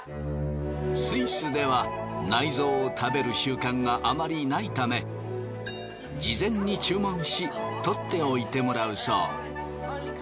スイスでは内臓を食べる習慣があまりないため事前に注文し取っておいてもらうそう。